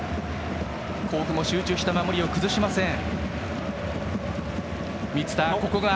甲府も集中した守りを崩しません。